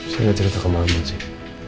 saya gak cerita ke mama cik